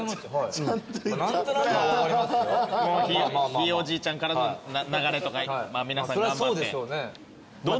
ひいおじいちゃんからの流れとか皆さん頑張って。